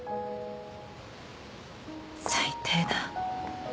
最低だ